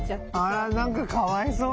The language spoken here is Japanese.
あらなんかかわいそう。